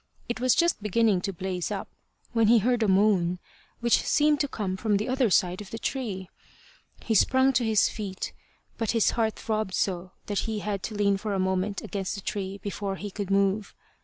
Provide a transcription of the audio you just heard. It was just beginning to blaze up, when he heard a moan, which seemed to come from the other side of the tree. He sprung to his feet, but his heart throbbed so that he had to lean for a moment against the tree before he could move.